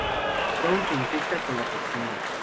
Jones se infecta con la toxina.